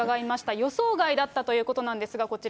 予想外だったということなんですが、こちら。